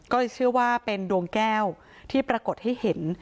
ก็เลยเชื่อว่าเป็นดวงแก้วที่ปรากฏให้เห็น